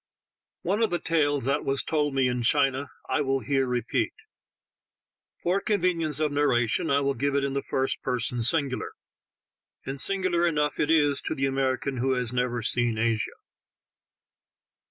One of the tales that was told me in China I will here repeat; for convenience of narration I will give it in the first person singular, and singular enough it is to the American who has never seen Asia.